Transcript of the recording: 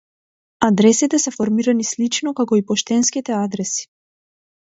Адресите се формирани слично како и поштенските адреси.